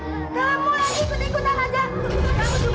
kamu lagi ikut ikut anak tidur